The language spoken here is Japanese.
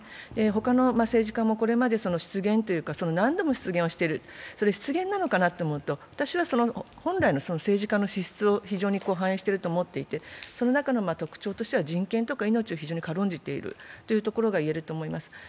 他の政治家もこれまで失言というか、何度も失言をしている、それは失言なのかなと思うと、私は本来の政治家の資質を非常に反映していると思っていてその中の特徴としては人権とか命を非常に軽んじているということがいえると思います。